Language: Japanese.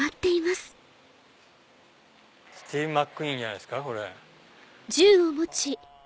スティーブ・マックイーンじゃないですかこれ。